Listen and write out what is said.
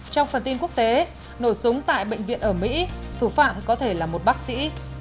trong phần tin quốc tế nổ súng tại bệnh viện ở mỹ thủ phạm có thể là một bác sĩ